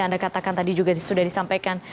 anda katakan tadi juga sudah disampaikan